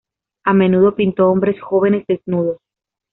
A menudo pintó hombres jóvenes desnudos.